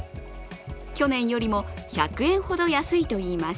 去年よりも１００円ほど安いといいます。